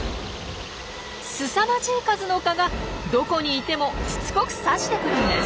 すさまじい数の蚊がどこにいてもしつこく刺してくるんです。